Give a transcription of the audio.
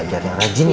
ya jangan rajin ya